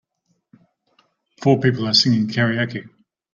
Four people are singing Karaoke.